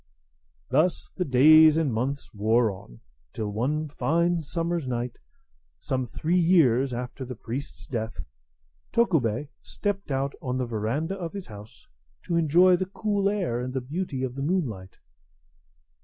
Thus the days and months wore on, till one fine summer's night, some three years after the priest's death, Tokubei stepped out on the veranda of his house to enjoy the cool air and the beauty of the moonlight.